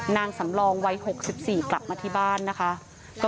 นางสำรองวัย๖๔กลับมาที่บ้านนะคะ